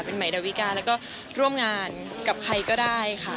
เป็นใหม่ดาวิกาแล้วก็ร่วมงานกับใครก็ได้ค่ะ